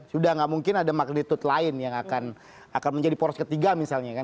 sudah tidak mungkin ada magnitude lain yang akan menjadi poros ketiga misalnya kan